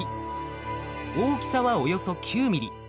大きさはおよそ９ｍｍ。